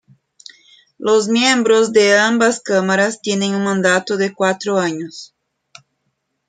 Los miembros de ambas cámaras tienen un mandato de cuatro años.